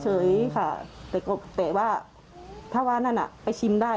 แต่ก็เตะว่าถ้าว่านั่นไปชิมได้